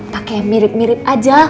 pake yang mirip mirip aja